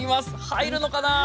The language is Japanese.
入るのかな。